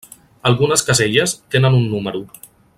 Algunes caselles tenen un número.